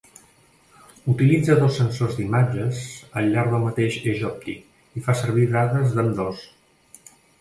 Utilitza dos sensors d'imatges al llarg del mateix eix òptic, i fa servir dades d'ambdós.